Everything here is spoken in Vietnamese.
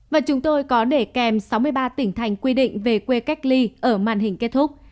và chúng tôi có để kèm sáu mươi ba tỉnh thành quy định về quê cách ly ở màn hình kết thúc